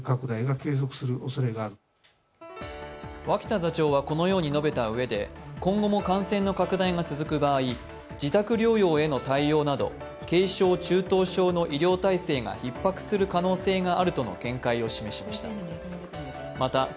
脇田座長はこのように述べたうえで、今後も感染の拡大が続く場合、自宅療養への対応など軽症・中等症の医療体制がひっ迫する可能性があるとの見解を示しました。